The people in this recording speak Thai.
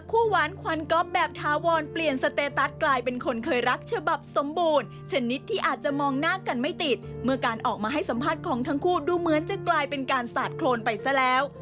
หวานควันก๊อฟแบบถาวรเปลี่ยนสเตตัสกลายเป็นคนเคยรักฉบับสมบูรณ์ชนิดที่อาจจะมองหน้ากันไม่ติดเมื่อการออกมาให้สัมภาษณ์ของทั้งคู่ดูเหมือนจะกลายเป็นการสาดโครนไปซะแล้ว